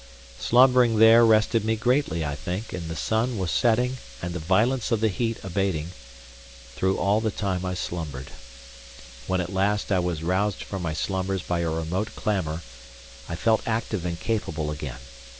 Slumbering there rested me greatly, I think, and the sun was setting and the violence of the heat abating, through all the time I slumbered. When at last I was roused from my slumbers by a remote clamour, I felt active and capable again.